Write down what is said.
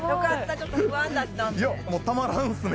ちょっと不安だったんで。